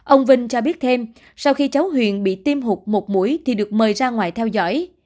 ông vinh cho biết thêm sau khi cháu huyền bị tiêm hụt một mũi thì được mời ra ngoài theo dõi